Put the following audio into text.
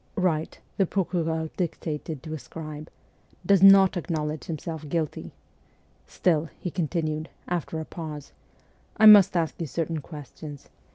' Write,' the procureur dictated to a scribe :'" Does not acknowledge himself guilty." Still,' he continued, after a pause, ' I must ask you certain questions.